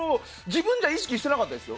自分じゃ意識してなかったです。